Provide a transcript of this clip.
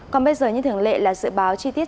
còn bây giờ như thường lệ là dự báo chi tiết